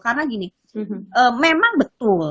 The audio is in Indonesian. karena gini memang betul